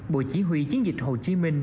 bộ chí huy chiến dịch hồ chí minh